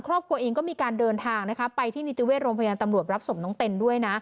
ครอบครัวเองก็มีการเดินทางนะคะไปที่นิติเวชโรงพยาบาลตำรวจรับศพน้องเต็นด้วยนะ